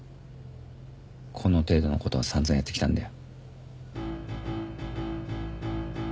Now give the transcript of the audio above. この程度のことは散々やってきたんだよ。